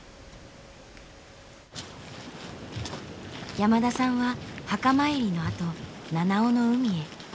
山田さんは墓参りのあと七尾の海へ。